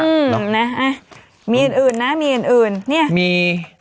อืมน่ะมีอื่นนะมีอื่นเนี่ย